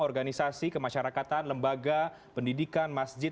organisasi kemasyarakatan lembaga pendidikan masjid